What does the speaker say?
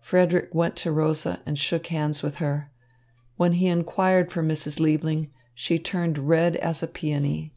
Frederick went to Rosa and shook hands with her. When he inquired for Mrs. Liebling, she turned red as a peony.